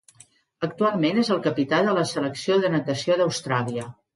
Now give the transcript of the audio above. Actualment és el capità de la Selecció de Natació d'Austràlia.